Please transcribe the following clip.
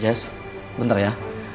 jes bentar ya